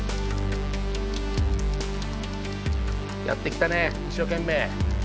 やってきたね一生懸命。